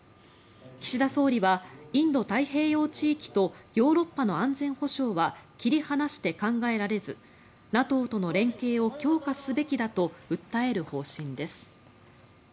岸田総理は、インド太平洋地域とヨーロッパの安全保障は切り離して考えられずＮＡＴＯとの連携を強化すべきだと訴える方針です。